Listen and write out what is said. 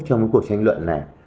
trong cuộc tranh luận này